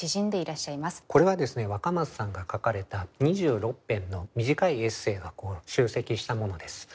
これはですね若松さんが書かれた２６編の短いエッセーが集積したものです。